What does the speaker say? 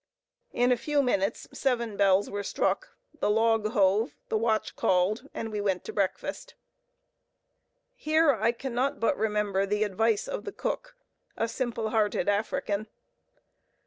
In a few minutes seven bells were struck, the log hove, the watch called, and we went to breakfast. Here I cannot but remember the advice of the cook, a simple hearted African.